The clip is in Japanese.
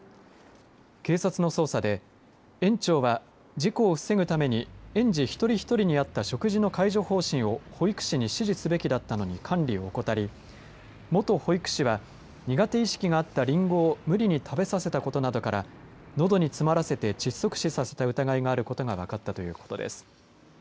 警察の捜査で園長は事故を防ぐために園児１人１人に合った食事の介助方針を保育士に指示すべきだったのに管理を怠り元保育士は、苦手意識があったりんごを無理に食べさせたことなどからのどに詰まらせて窒息死させた疑いがあることが分かったということです。